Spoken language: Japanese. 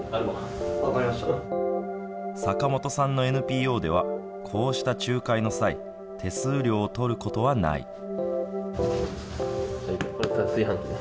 坂本さんのＮＰＯでは、こうした仲介の際、手数料を取ることはない。